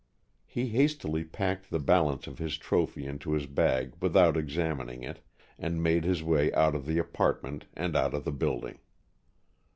He hastily packed the balance of his trophy into his bag without examining it, and made his way out of the apartment and out of the building.